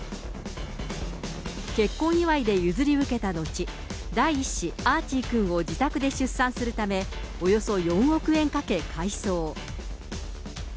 結婚祝いで譲り受けた後、第１子、アーチーくんを自宅で出産するため、およそ４億円かけ改装。